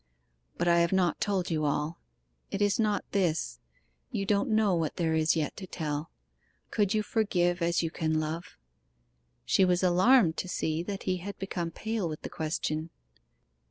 But I have not told you all; it is not this; you don't know what there is yet to tell. Could you forgive as you can love?' She was alarmed to see that he had become pale with the question.